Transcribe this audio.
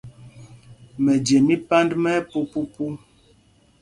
Mɛje mí Pand mɛ ɛpupupu.